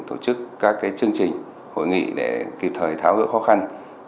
tổ chức các chương trình hội nghị để kịp thời tháo gỡ khó khăn